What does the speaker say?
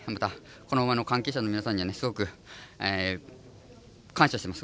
この馬の関係者にはね、すごく感謝してます。